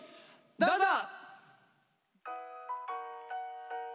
どうぞ。